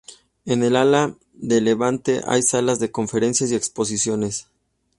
En el ala de levante hay salas de conferencias y exposiciones.